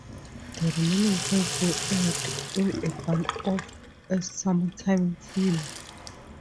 The remaining five were aired in a burnoff as summertime filler.